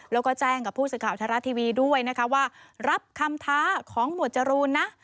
แล้วก็แจ้งกับผู้สิทธิ์ข่าวธรรท์ทีวีว่ารับคำท้าของหมวดจรูน